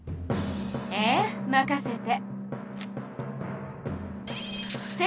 ええまかせて！